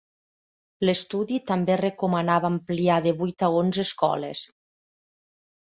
L'estudi també recomanava ampliar de vuit a onze escoles.